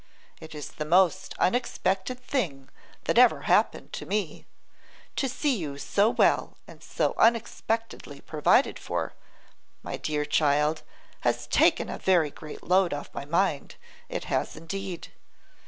It is the most unexpected thing that ever happened to me. To see you so well and so unexpectedly provided for, my dear child, has taken a very great load off my mind; it has indeed.